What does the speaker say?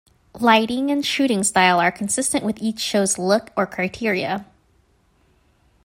Lighting and shooting style are consistent with each's show's "look" or criteria.